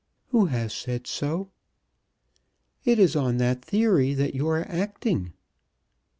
"Who has said so?" "It is on that theory that you are acting."